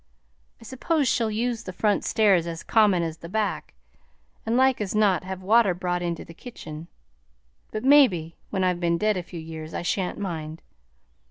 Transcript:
I s'pose she'll use the front stairs as common as the back and like as not have water brought into the kitchen, but mebbe when I've been dead a few years I shan't mind.